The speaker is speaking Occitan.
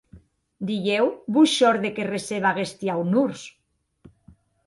Dilhèu vos shòrde que receba aguesti aunors?